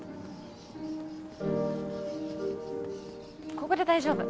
ここで大丈夫。